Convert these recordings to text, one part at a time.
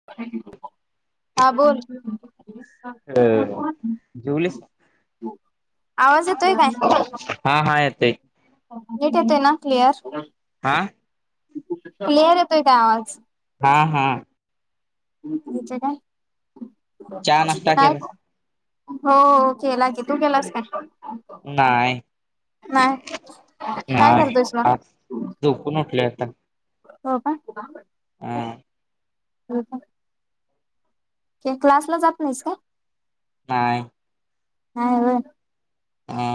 [inaudible] हा बोल. हा जेवलीस कोण? आवाज येतोय काय? हा हा येतय. नीट येतय ना क्लियर? आ? क्लियर येतोय का आज? हा हा. येच काय, चहा नाश्ता काय? केला हो केला की. तू केलास काय? नाय. नाही काय नाय करतोयस मग आज झोपून उठलोय आता. हो का? हम्म. हो का? ते क्लासला जात नाहीस काय? नाय. नाय होय? हा.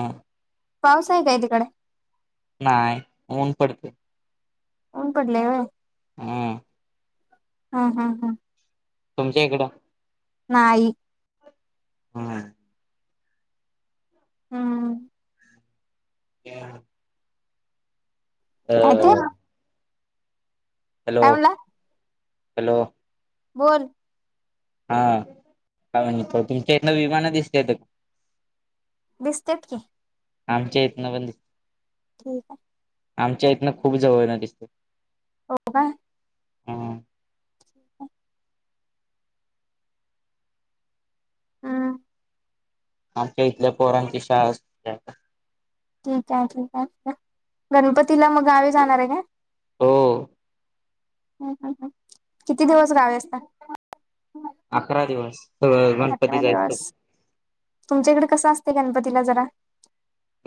पाऊस आहे का तिकडे. नाय ऊन पडते. ऊन पडलंय होय? हां. हम्म हम्म हम्म. तुमच्या इकडं नाही. हम्म. हम्म. [unintelligible] काय ते काय [unintelligible] हॅलो म्हणला हॅलो. बोल. हा काय म्हणतो? तुमच्या इथनं विमानं दिसत्यात दिसते की आमच्या इथनं बंदी ठीक आहे आमच्या इथनं खूप जवळना दिसते. हो काय ठीक‌‌ आहे हम्म आमच्या इथल्या पोरांची शाळा अस ठीक आहे ठीक आहे गणपतीला म गावी जाणार आहे का? हो. ह ह ह किती दिवस गावे असता अकरा दिवस सगळं गणपती अकरा दिवस जायचं. तुमच्याकडे कसं असते गणपतीला जरा?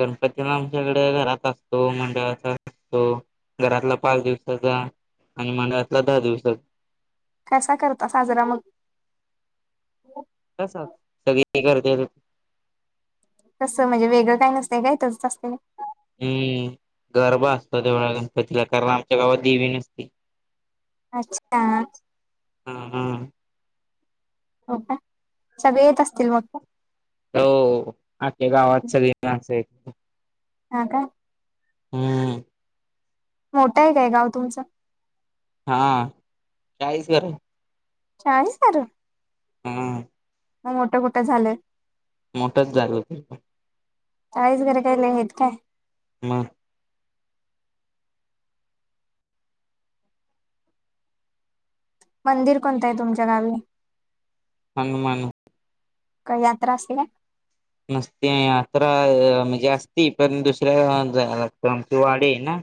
गणपतीला आमच्याकडे घरात असतो मंडळाचा असतो. घरातला पाच दिवसाचा आणि मंडळतला दहा दिवसा कसा करता साजरा मग? तस सगळी करते तसं म्हणजे वेगळं काय नसते गं तसंच असते गं. हम्म गगरबा असतो तेवढ्या गणपतीला कारण आमच्या गावात देवी नसती. अच्छा हा हा. हो का सगळे येत असतील मग. हो आख्या गावात सली आहे हा का? हम्म. मोठं आहे काय गाव तुमचं? हा काळीस चाळीसारं हम्म. म मोठं कुठे झालंय? मोठंच झालं ते. चाळीस घरट्याने हेत काय? म मंदिर कोणता आहे तुमच्या गावी? हनुमान काय यात्रा असते नसते अकरा अ म्हणजे असती पण दुसऱ्या जाया लागते आमची वाडी आहे ना.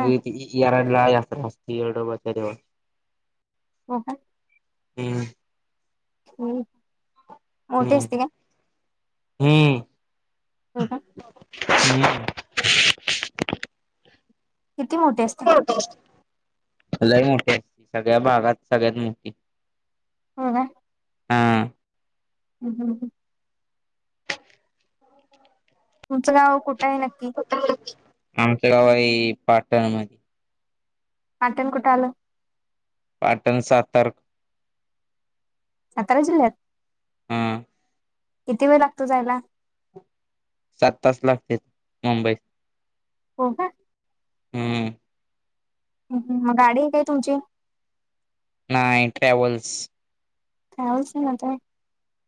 हा ती इ येराळला यात्रा असते येडोबाच्या देवा हो काय? हम्म. हम्म हम्म मोठे असते का हम्म हो का हम्म किती मोठे असतात लई मोठे असते सगळ्या बागात सगळ्यात मोठी. हो गा हां ह हम ह तुमचं गाव कुठं आहे नक्की? आमचं गाव आहे पाटणमध्ये. पाटण कुठ आलं? पाटण सातर्क सातारा जिल्ह्यात. हम किती वेळ लागतो जायला? सात तास लागते मुंबई हो का? हम्म मग गाडी काय तुमची? नाही ट्रॅव्हल्स कायवच नाता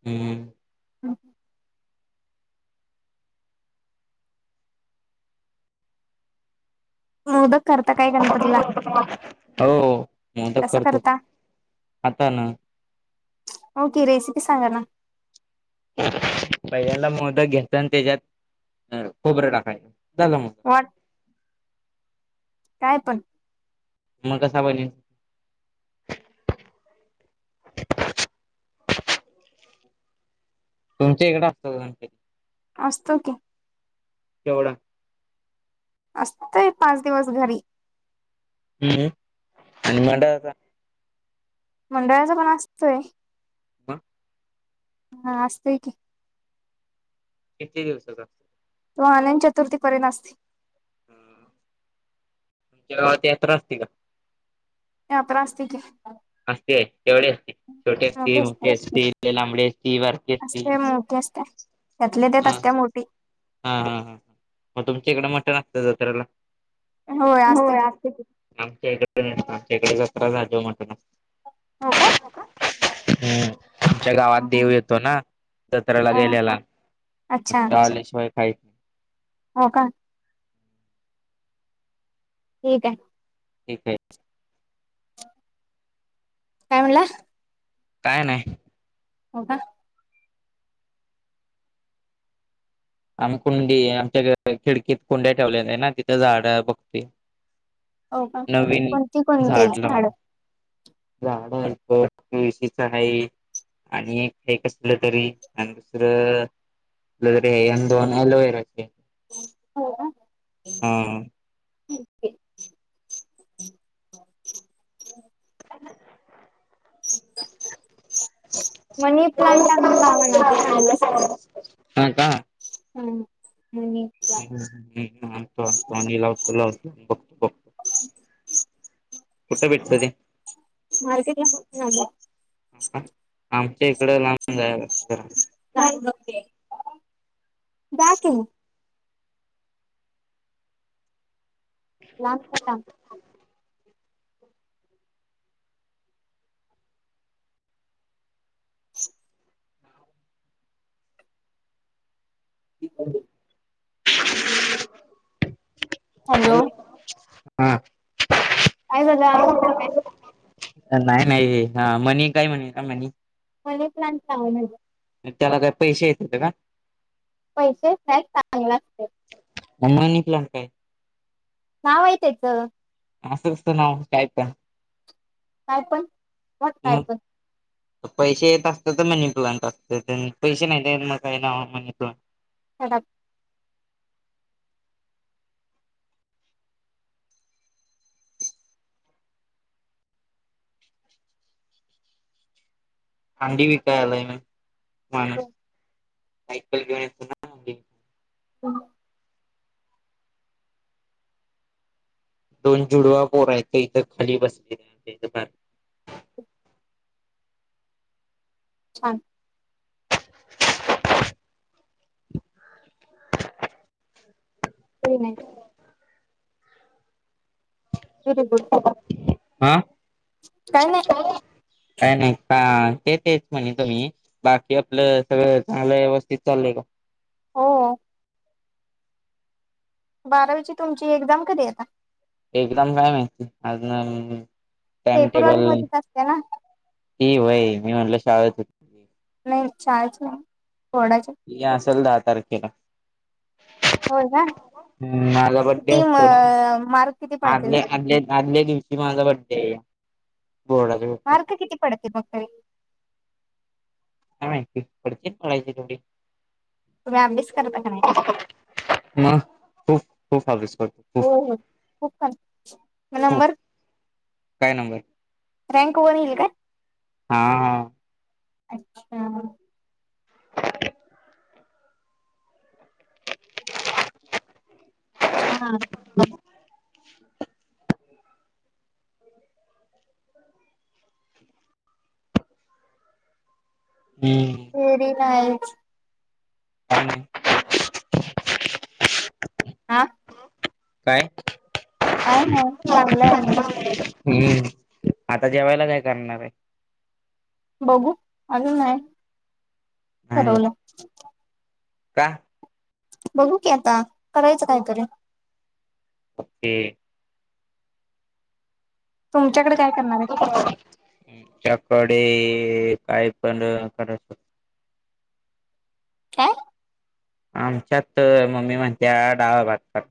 हम् ह मोदक करता काय गणपतीला हो मोदक कस करतो करता? आता ना ओके रेसिपी सांगा ना पहिल्याला मोदक घ्याचा आणि त्याच्यात खोबरं टाकायचं झालं म व्हॉट काय पण मग कसा बनेल तुमच्या इकडें असतं का गणपती. असतो की. केवढा असतय पाच दिवस घरी. हम्म आणि मंडळाचा. मंडळाचा पण असतोय ब हा असत की किती दिवसचा? त आनयन चतुर्थीपर ना असते तुमच्या गावात यात्र असते का यात्रा असते की. असते तेवढे असते छोटे मोठी असतील असते मोठे असतील लांबडी असतील वारकी असतील त त्यातले त्या असत्या मोठी हा ह ह मग तुमच्या इकडे मटण असत जत्रेला, होय असते की. आमच्या इकडे नाही आमच्या इकडे जत म्हणत ना हो का हम्म आमच्या गावात देव हा येतो ना जत्रेला अच्छा गेलेलाल्याशिवाय काही हो का ठीक आहे ठीक आहे काय म्हणला काय नाही हो का आम कुंडी आमच्या खिडकीत कुंड्या ठेवलेल्या ना तिथं झाडं बघते हो का नवीन कोणती कोणती झाड लावून झाड कुळशीच आहे. आणि एक हे कसलं तरी आणि दुसरं तरी दोन अलोवेराचे हो का? हा मनी प्लांट आणून लावा ना ते चांगलं असते. हा का. हा म्हणे ह्म हम्लात बघतोघ [unintelligible] ह. कुठं भेटत ते. मार्केटला कुठून आले. आमच्या इकडं लांब जायाय लागत जरा. जा कि मग. लांब जा लांब. हॅलो. हा. काय झालं आवाज ईना काय? नाही नाही हा मनी काय म्हणे का मनी. मनी प्लांट लावा म्हणजे त्याला काय पैसे येत येतात का. पैसे नाही चांगला असते. मग मनी प्लांट काय. नाव आहे त्याचं. असं असत नाव काय पण. काय पण मग काय पण. पैसे येत असतात तर मनी प्लांट असते पैसे नाही मग काही ना मनी प्लांट. [unintelligible] हंडी विकाय आलाय माणूस सायकल घेवून येतोय ना. अंडी ह. दोन जुडवा पोर येत इथं खाली बसले. छान. हो नाही. Very good. हा काय नाही नाही का ते तेच म्हणे तुम्ही. बाकी आपलं सगळे चांगलं व्यवस्थित चाललंय का. हो. बारावीची तुमची एक्झाम कधी आहे आता. एकदम नाही माहिती आज नवीन टाइम फेब्रुवारी टेबल. मध्येच असते ना ही वई मी म्हटलं शाळेत. होती नाही चचाज थोडाचे. या असेल दहा तारखेला. होय काय. हम् माझा बडडे असतो ना मार्क किती पडतील आल्या तरी आल्या आदल्या दिव- ती माझा बड़्डे बोर्डा मार्क किती पडते मग तरी. काय माहिती पडतेत पडायचे तेवढे. तुम्ही अभ्यास करता का नाही. म खू खूप अभ्यास करतो. खूप हो हो खूप छान म खूप नंबर. काय नंबर. रँक वन ईल काय? हा हा. अच्छा. छान. ह. [inaudible] हम्म. तेरी नाही. हा. काय? काय नाही चांगलं आहे म्हणजे [unintelligible] हम्म आता जेवायला काय करणार हाय? बगु अजून नाय नाही बघ ठरवलं. का? बघू की आता करायचं कायतरी? ओ के. तुमच्याकडे काय करणार हाय. चकडे हम्म. काय पण करात? कायं? आमच्यात मम्मी म्हणत्या डाळ भात कर.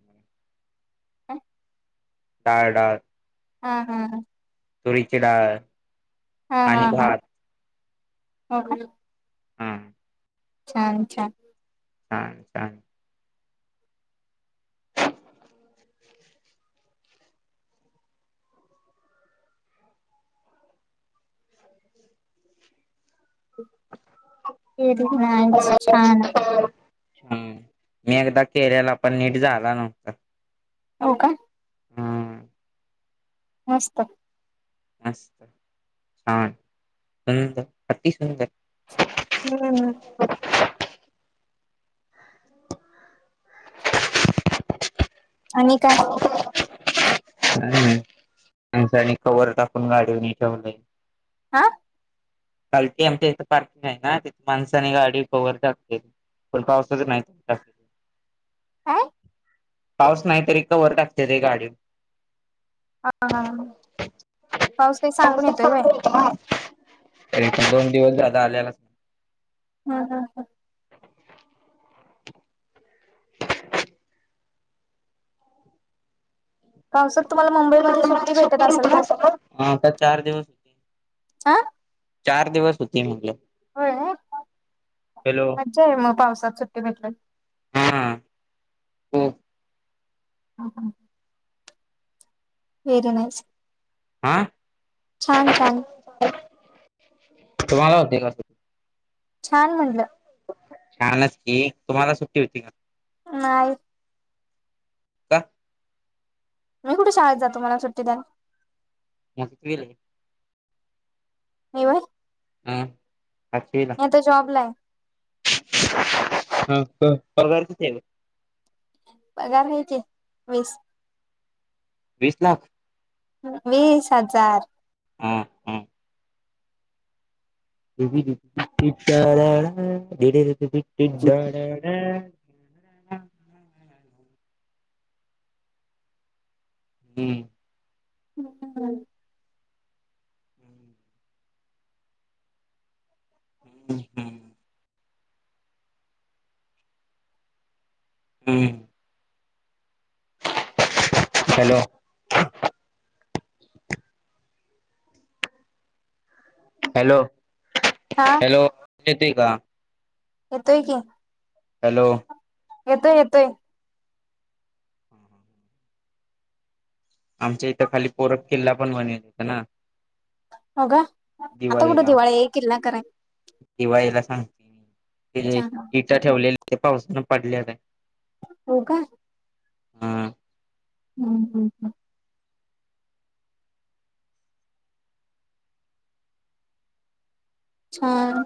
हा डाळ डाळ हा हा हा. तुरीची डाल. हा हा हा हो का? हा हा. छान छान. हा.. तेच छान छान. हम्म मी एकदा केल्याला पण नीट झाला नव्हता. हो का? हम्म मस्त! ! मस्त छान सुंदर अति सुुंदर. हम्म. आणि काय अ ह. [unintelligible] ह त्यां आणि कवरवर टाकून गाडीवनी ठेवलयं. हा. खालती आमच्या इथं पार्किंग आहे ना तिथे माणसाने गाडी कवर टाकलेली. पण पावसाच नाही. आ आ. पाऊस नाही तरी कवर टाकते ते गाडी. हा हा पाऊस काय सांगून येतोय व्हय. हो [unintelligible] एक दोन दिवस दादा आल्यालाच नाही. हा हा हा... [unintelligible] पावसात तुम्हाला मुंबईमध्ये सुट्टी भेटत असेल ना हा आता चार दिवस होते [unintelligible] चार दिवस होती म्हटलं. हॅलो मजा आहे मग पावसात सुट्टी भेटल. हा हा. हा हा. वेर ना. आ. छान छान. तुम्हाला होते का? छान! म्हणलं. छान की तुम्हाला सुट्टी होती. नाही का मी कुठं शाळेत जातो मला सुटी द्याल. मस्त विल आहे. मवा आ आखिर आता जॉब ला आहे हा तर परगार किती आहे गं? पगारहायचे वीस वीस लाख वीस हजार हा हा [unintelligible] हम्म. [unintelligible] हम्म हम्म. हम्म. हॅलो हॅलो हा हॅलोे [inaudible] येते का? येतोय की हॅलो येतोय येतोय. आमच्या इथं खाली पोरख किल्ला पण बनलथं ना हो का आता कुठे दिवाळीला दिवाळी आहे किल्ला करायचा दिवाळीला सांग ते इटा ठेवलेले ते पावसानं पडलेला आहे. हो का हां. हम्म. [unintelligible] छान